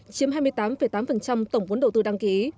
chiếm hai mươi tám tám tổng vốn đầu tư đăng ký